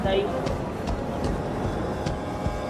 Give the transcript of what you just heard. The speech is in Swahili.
Ndama huwa dhaifu